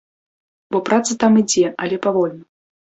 Бо праца там ідзе, але павольна.